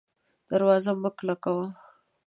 دروازه مه کلکه وه